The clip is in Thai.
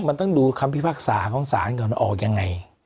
มันต้องดูคำพิพากษาของศาลก่อนออกยังไง